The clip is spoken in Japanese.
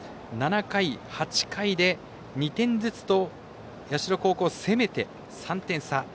７回、８回で２点ずつと社高校、攻めて３点差。